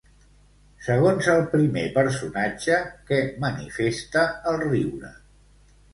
Segons el primer personatge, què manifesta el riure?